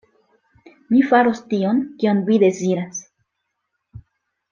Mi faros tion, kion vi deziras.